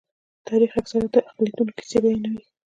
تاریخ اکثره د اقلیتونو کیسې بیانوي.